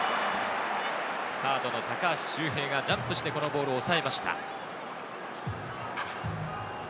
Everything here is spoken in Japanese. サードの高橋周平がジャンプして、このボールをおさえました。